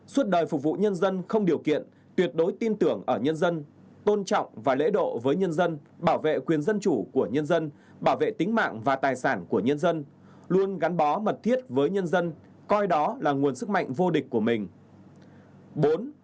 suốt đời phục vụ nhân dân không điều kiện tuyệt đối tin tưởng ở nhân dân tôn trọng và lễ độ với nhân dân bảo vệ quyền dân chủ của nhân dân bảo vệ tính mạng và tài sản của nhân dân luôn gắn bó mật thiết với nhân dân coi đó là nguồn sức mạnh vô địch của mình